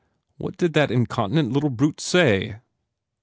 "What did that incontinent little brute say?"